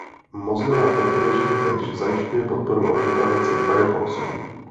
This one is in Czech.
Mozilla Corporation též zajišťuje podporu a propagaci Firefoxu.